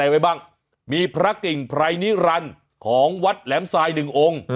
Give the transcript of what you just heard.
ไว้บ้างมีพระกิ่งไพรนิรันดิ์ของวัดแหลมทรายหนึ่งองค์